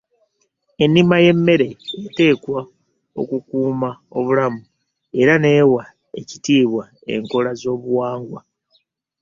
Ennima y’emmere eteekwa okukuuma obulamu era n'ewa ekitiibwa enkola z’obuwangwa.